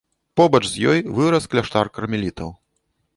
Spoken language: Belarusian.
Побач з ёй вырас кляштар кармелітаў.